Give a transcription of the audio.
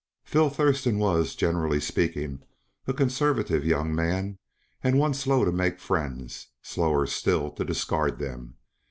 Philip Thurston was, generally speaking, a conservative young man and one slow to make friends; slower still to discard them.